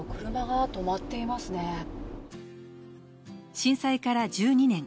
震災から１２年。